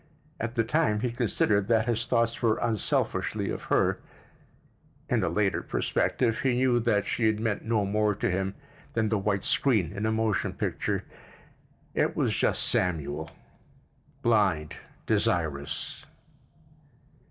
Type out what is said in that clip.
At the time he considered that his thoughts were unselfishly of her; in a later perspective he knew that she had meant no more than the white screen in a motion picture: it was just Samuel—blind, desirous.